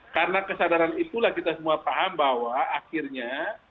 karena kesadaran itulah kita semua paham bahwa akhirnya